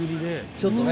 ちょっとね。